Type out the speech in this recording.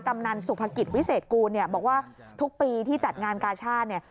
กำนันสุภกิจวิเศษกูลเนี่ยบอกว่าทุกปีที่จัดงานกาชาติเนี่ย